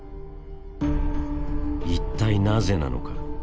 一体なぜなのか？